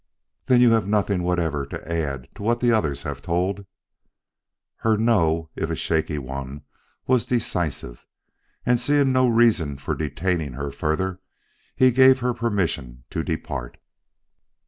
"Then you have nothing whatever to add to what the others have told?" Her "no," if a shaky one, was decisive, and seeing no reason for detaining her further, he gave her permission to depart.